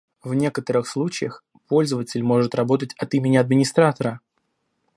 В некоторых случаях, пользователь может работать от имени администратора